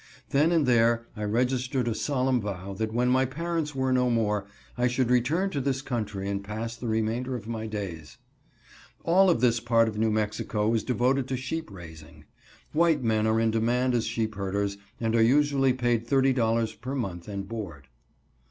Then and there I registered a solemn vow that when my parents were no more, I should return to this country and pass the remainder of my days. All of this part of New Mexico is devoted to sheep raising. White men are in demand as sheep herders, and are usually paid $30.00 per month and board.